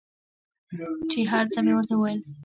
چې هر څه مې ورته وويل.